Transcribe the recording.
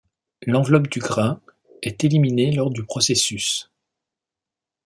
L'enveloppe du grain est éliminée lors du processus.